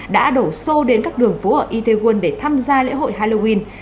đã đổ xô đến các đường phố ở idaewon để tham gia lễ hội halloween